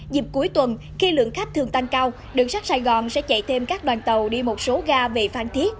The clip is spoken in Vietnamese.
dịp cuối tuần khi lượng khách thường tăng cao đường sắt sài gòn sẽ chạy thêm các đoàn tàu đi một số ga về phan thiết